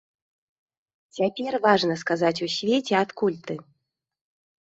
Цяпер важна сказаць у свеце, адкуль ты.